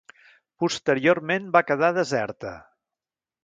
Posteriorment va quedar deserta.